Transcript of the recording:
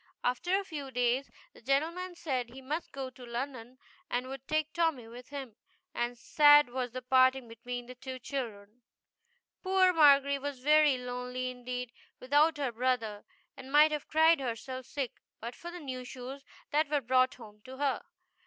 After a few days, the gentleman said he must go to London and would take Tommy with him, and sad was the parting between the two children. Poor Margery was very lonely indeed, without her brother, and might have cried herself sick but for the new shoes that were brought home to her.